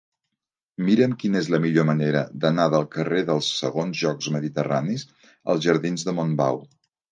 Mira'm quina és la millor manera d'anar del carrer dels Segons Jocs Mediterranis als jardins de Montbau.